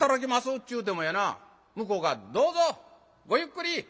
っちゅうてもやな向こうが『どうぞごゆっくり。